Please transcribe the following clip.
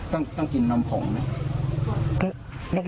ต้องกินนมผงไหม